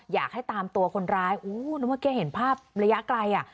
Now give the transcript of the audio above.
อยากให้ตามตัวคนร้ายอู้แล้วเมื่อกี้เห็นภาพระยะไกลอ่ะ